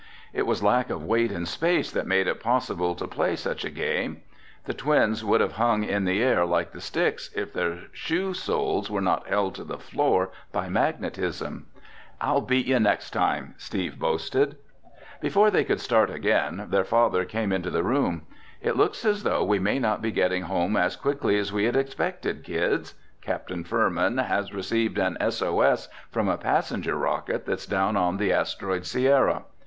It was lack of weight in space that made it possible to play such a game. The twins would have hung in the air like the sticks if their shoe soles were not held to the floor by magnetism. "I'll beat you next time," Steve boasted. Before they could start again, their father came into the room. "It looks as though we may not be getting home as quickly as we had expected, kids. Captain Furman has received an S. O. S. from a passenger rocket that's down on the asteroid, Sierra."